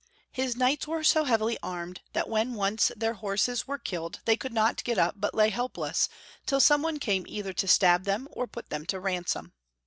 His knights were so heavily armed that when once their horses were killed they could not get up but lay helpless, tiU some one came either to stab them or put them to ransom.